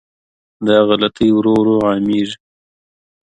دغه غلطۍ ورو ورو عامېږي.